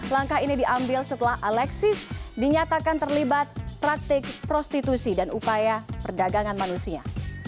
langkah ini diambil setelah alexis dinyatakan terlibat praktik prostitusi dan upaya perdagangan manusia